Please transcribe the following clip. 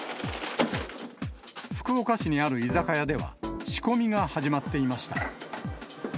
福岡市にある居酒屋では仕込みが始まっていました。